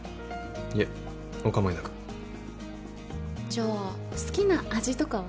いえお構いなくじゃあ好きな味とかは？